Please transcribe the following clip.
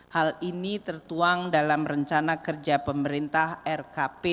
hal ini tertuang dalam rencana kerja pemerintah rkp